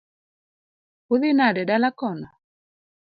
Udhi nade dala kono?